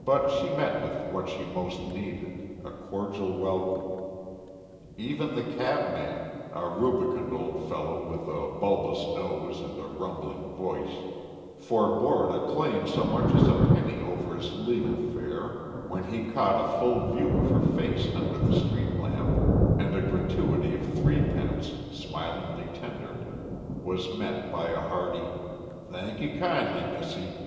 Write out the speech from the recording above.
But she met with what she most needed, a cordial welcome. Even the cabman, a rubicund old fellow with a bulbous nose and a rumbling voice, forebore to claim so much as a penny over his legal fare when he caught a full view of her face under the street lamp, and a gratuity of threepence, smilingly tendered, was met by a hearty "Thankee kindly, missie."